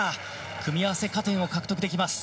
組み合わせ加点を獲得できます。